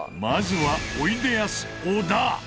まずはおいでやす小田。